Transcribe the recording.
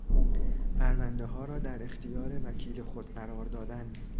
پروندهها را در اختیار وکیل خود قرار دادن